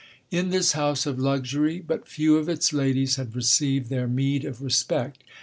In this house of luxury, but few of its ladies had received their meed of respect.